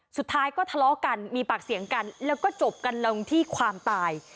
สุดท้ายก็ทะเลาะกันมีปากเสียงกันแล้วก็จบกันลงที่ความตาย